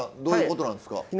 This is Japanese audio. どういうことなんですか？